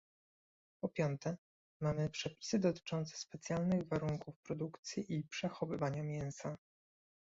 Po piąte, mamy przepisy dotyczące specjalnych warunków produkcji i przechowywania mięsa